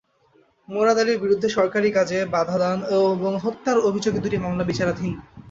মোরাদ আলীর বিরুদ্ধে সরকারি কাজে বাধাদান এবং হত্যার অভিযোগে দুটি মামলা বিচারাধীন।